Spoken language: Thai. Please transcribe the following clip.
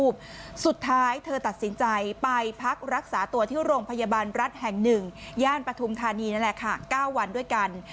พยาบาลรัฐแห่งหนึ่งย่านปทุมธานีนั่นแหละค่ะ๙วันด้วยกัน